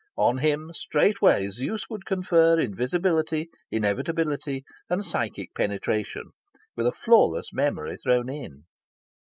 On him, straightway, Zeus would confer invisibility, inevitability, and psychic penetration, with a flawless memory thrown in.